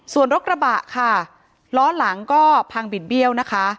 ส่วนรถกระบะค่ะล้อหลังก็พังบิดเบี้ยวนะคะ